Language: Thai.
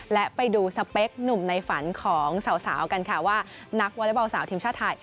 และไปดูสเปคหนุ่มในฝันของสาวกันค่ะว่านักวอเล็กบอลสาวทีมชาติไทย